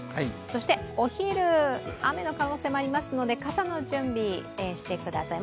そしてお昼、雨の可能性がありますので傘の準備をしてください。